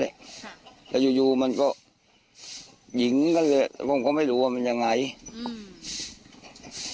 ค่ะแล้วอยู่อยู่มันก็หญิงกันเลยผมก็ไม่รู้ว่ามันยังไงอืม